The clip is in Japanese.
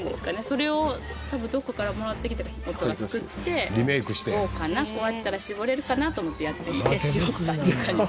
それを多分どこかからもらってきて夫が作って「どうかな？こうやったら搾れるかな？」と思ってやってみて搾ったっていう感じです。